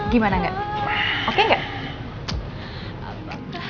gimana gak oke gak